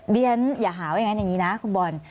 เรียนอย่าหาไว้อย่างนี้นะคุณบอล